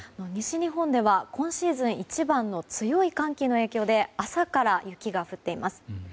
西日本では今シーズン一番の強い寒気の影響で朝から雪が降っています。